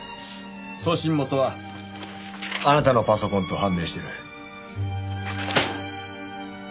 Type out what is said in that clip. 送信元はあなたのパソコンと判明してる。